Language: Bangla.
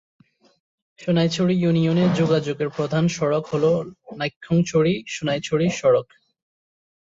সোনাইছড়ি ইউনিয়নে যোগাযোগের প্রধান সড়ক হল নাইক্ষ্যংছড়ি-সোনাইছড়ি সড়ক।